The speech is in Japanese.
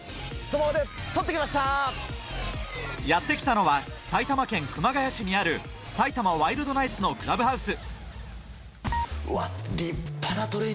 やってきたのは埼玉県熊谷市にある埼玉ワイルドナイツのクラブハウス。